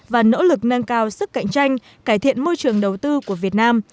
và nỗ lực nâng cao sức cạnh tranh cải thiện môi trường đầu tư của việt nam